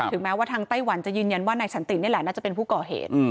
แม้ว่าทางไต้หวันจะยืนยันว่านายสันตินี่แหละน่าจะเป็นผู้ก่อเหตุ